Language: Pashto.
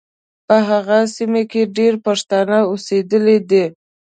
په هغو سیمو کې ډېر پښتانه اوسېدلي دي.